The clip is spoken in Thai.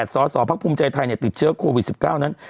สสพักภูมิใจไทยติดเชื้อโควิด๑๙นั้น